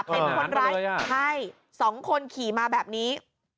เป็นคนรักสองคนขี่มาแบบนี้